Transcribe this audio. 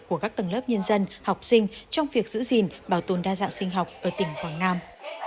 của các tầng lớp nhân dân học sinh trong việc giữ gìn bảo tồn đa dạng sinh học ở tỉnh quảng nam